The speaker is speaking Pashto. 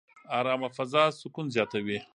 ارامه فضا سکون زیاتوي.